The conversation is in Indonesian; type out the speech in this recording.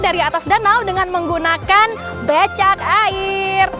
dari atas danau dengan menggunakan becak air